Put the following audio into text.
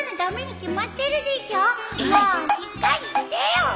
もうしっかりしてよっ！